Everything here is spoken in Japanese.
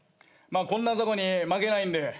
まあこんな雑魚に負けないんで。